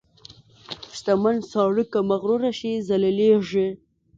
• شتمن سړی که مغرور شي، ذلیلېږي.